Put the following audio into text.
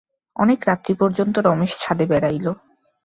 অনেক রাত্রি পর্যন্ত রমেশ ছাদে বেড়াইল।